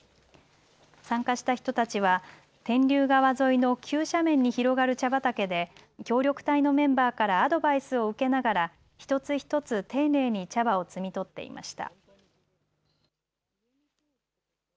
参加した人たちは天竜川沿いの急斜面に広がる茶畑で協力隊のメンバーからアドバイスを受けながら一つ一つ丁寧に茶葉を摘み取っていました。